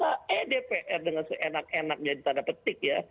maka eh dpr dengan seenak enaknya ditanda petik ya